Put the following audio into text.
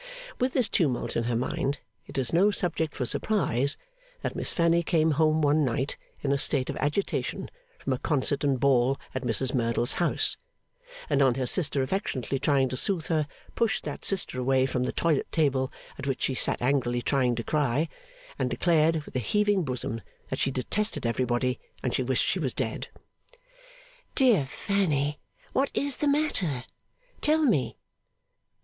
With this tumult in her mind, it is no subject for surprise that Miss Fanny came home one night in a state of agitation from a concert and ball at Mrs Merdle's house, and on her sister affectionately trying to soothe her, pushed that sister away from the toilette table at which she sat angrily trying to cry, and declared with a heaving bosom that she detested everybody, and she wished she was dead. 'Dear Fanny, what is the matter? Tell me.